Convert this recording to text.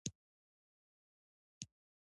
یورانیم د افغانستان د ملي هویت نښه ده.